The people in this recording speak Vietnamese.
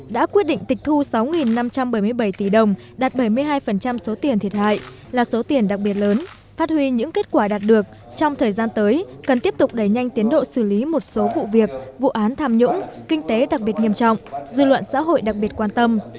đã quyết định tịch thu sáu năm trăm bảy mươi bảy tỷ đồng đạt bảy mươi hai số tiền thiệt hại là số tiền đặc biệt lớn phát huy những kết quả đạt được trong thời gian tới cần tiếp tục đẩy nhanh tiến độ xử lý một số vụ việc vụ án tham nhũng kinh tế đặc biệt nghiêm trọng dư luận xã hội đặc biệt quan tâm